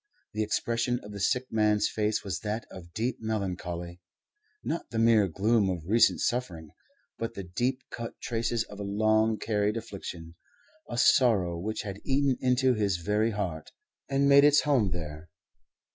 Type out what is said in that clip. The expression of the sick man's face was that of deep melancholy not the mere gloom of recent suffering, but the deep cut traces of a long carried affliction, a sorrow which had eaten into his very heart, and made its home there.